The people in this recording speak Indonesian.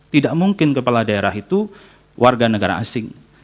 tidak mungkin kepala daerah itu warga negara asing